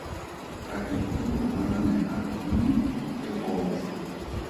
Ga re kgone go bona megare mme e gotlhe.